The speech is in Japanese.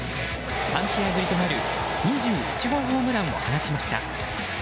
３試合ぶりとなる２１号ホームランを放ちました。